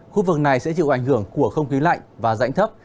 khu vực này sẽ chịu ảnh hưởng của không khí lạnh và rãnh thấp